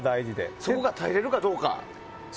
そこが耐えれるかどうか。